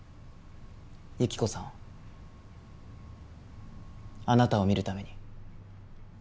由希子さんあなたを見るために。